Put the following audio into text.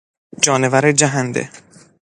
جانور جهنده